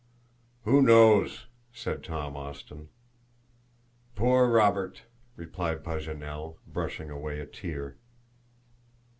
"Who knows!" said Tom Austin. "Poor Robert!" replied Paganel, brushing away a tear.